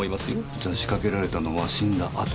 じゃ仕掛けられたのは死んだ後。